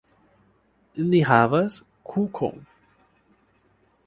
Ni havas kukon!